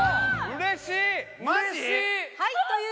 うれしい！